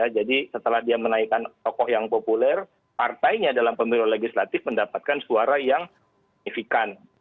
jadi setelah dia menaikkan tokoh yang populer partainya dalam pemilu legislatif mendapatkan suara yang signifikan